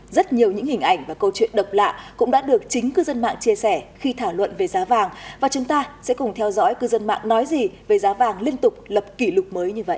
rất nhiều những hình ảnh và câu chuyện độc lạ cũng đã được chính cư dân mạng chia sẻ khi thảo luận về giá vàng và chúng ta sẽ cùng theo dõi cư dân mạng nói gì về giá vàng liên tục lập kỷ lục mới như vậy